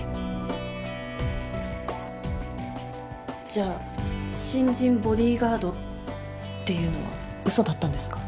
じゃあ新人ボディーガードっていうのは嘘だったんですか？